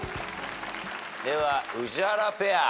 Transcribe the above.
では宇治原ペア。